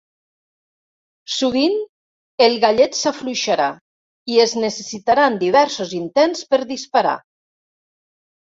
Sovint, el gallet s'afluixarà i es necessitaran diversos intents per disparar.